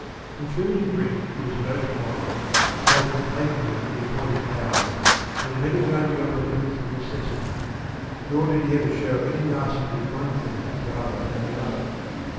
In food and drink he was most moderate, both in taking them at the appointed hours and in never going beyond the limit of necessity ; nor did he ever shew any nicety in one thing rather than another.